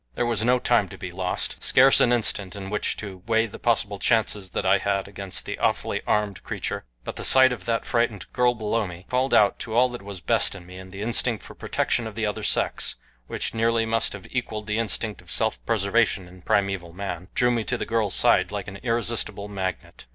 There was no time to be lost, scarce an instant in which to weigh the possible chances that I had against the awfully armed creature; but the sight of that frightened girl below me called out to all that was best in me, and the instinct for protection of the other sex, which nearly must have equaled the instinct of self preservation in primeval man, drew me to the girl's side like an irresistible magnet.